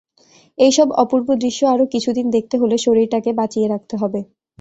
এইসব অপূর্ব দৃশ্য আরো কিছুদিন দেখতে হলে শরীরটাকে বাঁচিয়ে রাখতে হবে।